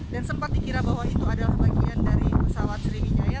dan sempat dikira bahwa itu adalah bagian dari pesawat sriwijaya